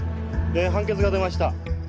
判決が出ました。